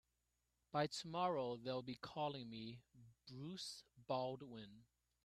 By tomorrow they'll be calling me Bruce Baldwin.